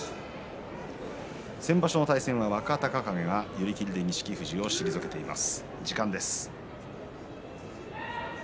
先場所の対戦は若隆景が寄り切りで錦富士を退けました。